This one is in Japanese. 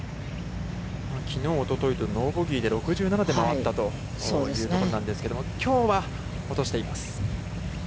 きのう、おとといと、ノーボギーで６７で回ったというところなんですけれども、きょうは落としています。